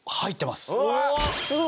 すごい。